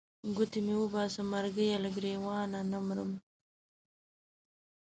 ګوتې مې وباسه مرګیه له ګرېوانه نه مرم.